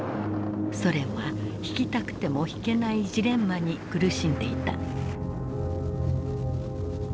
ソ連は引きたくても引けないジレンマに苦しんでいた。